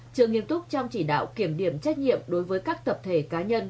chưa nghiêm túc trong chỉ đạo kiểm điểm trách nhiệm đối với các tập thể cá nhân